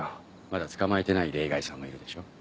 まだ捕まえてない例外さんもいるでしょう。